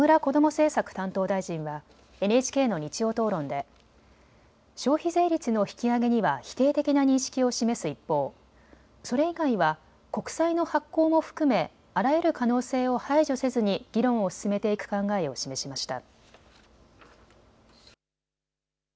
政策担当大臣はＮＨＫの日曜討論で消費税率の引き上げには否定的な認識を示す一方、それ以外は国債の発行も含めあらゆる可能性を排除せずに議論を進めていく考えを示しました。